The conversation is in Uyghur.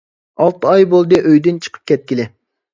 ئالتە ئاي بولدى ئۆيدىن چىقىپ كەتكىلى.